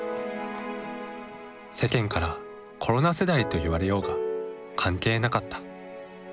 世間から「コロナ世代」と言われようが関係なかった。